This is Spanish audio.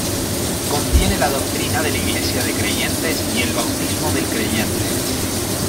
Contiene la doctrina de la iglesia de creyentes y el bautismo del creyente.